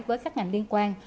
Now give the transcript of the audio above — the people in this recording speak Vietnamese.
với các ngành liên quan